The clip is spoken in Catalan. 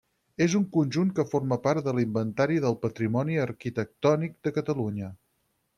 És un conjunt que forma part de l'Inventari del Patrimoni Arquitectònic de Catalunya.